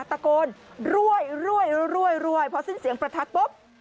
ตะโกนรวยรวยพอสิ้นเสียงประทัดปุ๊บ